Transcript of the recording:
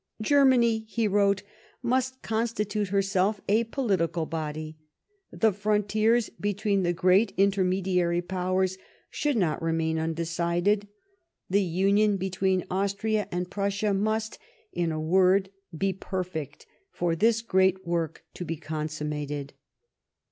" Germany," he wrote, " must constitute herself a political body ; the frontiers between the great intermediary Powers should not remain undecided ; the union Ijetween Austria and Prussia must, in a word, be perfect, for this great work to be consummated."